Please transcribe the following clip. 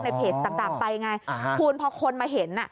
เพจต่างไปไงคุณพอคนมาเห็น